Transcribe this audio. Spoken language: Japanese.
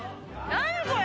・何これ！